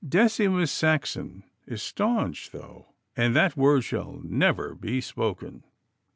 Decimus Saxon is staunch, though, and that word shall never be spoken.